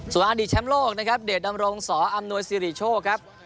ส่วนอดีตแชมป์โลกนะครับเดชดำรงสออำนวยสิริโชคครับ